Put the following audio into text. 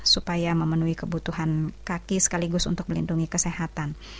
supaya memenuhi kebutuhan kaki sekaligus untuk melindungi kesehatan